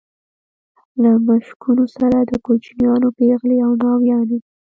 له مشکونو سره د کوچیانو پېغلې او ناويانې.